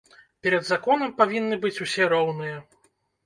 Перад законам павінны быць усе роўныя.